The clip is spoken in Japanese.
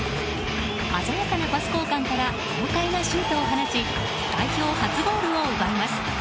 鮮やかなパス交換から豪快なシュートを放ち代表初ゴールを奪います。